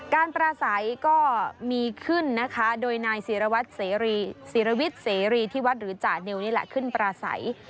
การปราศัยก็มีขึ้นนะคะโดยนายศิรวัตรศิรวิทย์เสรีที่วัดหรือจานิวนี่แหละขึ้นปราศัย